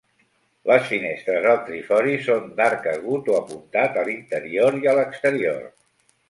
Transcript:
Les finestres del trifori són d'arc agut o apuntat a l'interior i a l'exterior.